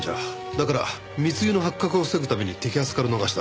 だから密輸の発覚を防ぐために摘発から逃した。